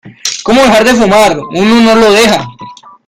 como dejar de fumar. uno no lo deja